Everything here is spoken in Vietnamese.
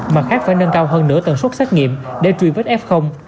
mặt khác phải nâng cao hơn nửa tần suất xét nghiệm để truy vết f